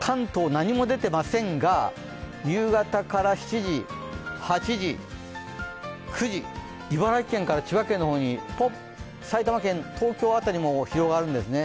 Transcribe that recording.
何も出てませんが夕方から７時、８時、９時茨城県から千葉県の方にぽっ、埼玉県、東京辺りにも広がるんですね。